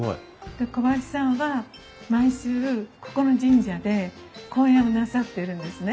で小林さんは毎週ここの神社で公演をなさってるんですね。